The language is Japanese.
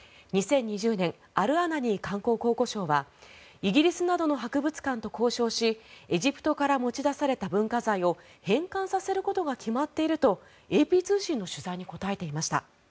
２０２０年アル・アナニ観光・考古相はイギリスなどの博物館と交渉しエジプトから持ち出された文化財を返還させることが決まっているとＡＰ通信の取材に答えていました。